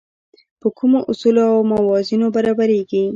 په کومو اصولو او موازینو برابرېږي.